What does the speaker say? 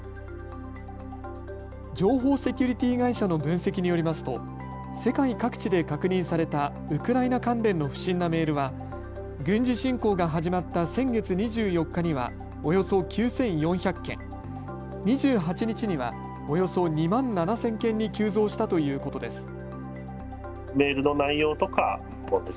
情報セキュリティー会社の分析によりますと世界各地で確認されたウクライナ関連の不審なメールは軍事侵攻が始まった先月２４日にはおよそ９４００件、２８日にはおよそ２万７０００件に急増したということです。